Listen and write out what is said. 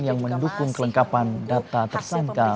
yang mendukung kelengkapan data tersangka